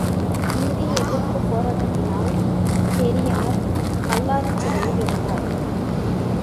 இந்தி எதிர்ப்புப் போராட்டத்தினால் பெரியார் பல்லாரிச் சிறையில் இருந்தார்.